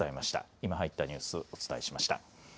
今入ったニュースをお伝えしました。